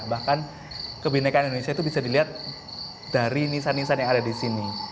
bahkan kebinekaan indonesia itu bisa dilihat dari nisan nisan yang ada di sini